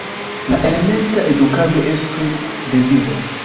La elementa edukado estu deviga.